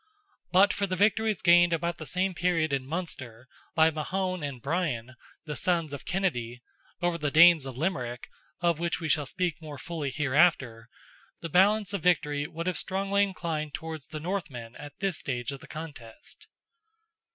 But for the victories gained about the same period in Munster, by Mahon and Brian, the sons of Kennedy, over the Danes of Limerick, of which we shall speak more fully hereafter, the balance of victory would have strongly inclined towards the Northmen at this stage of the contest.